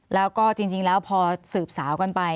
แล้วก็จริงแล้วพอสืบสาวกันไป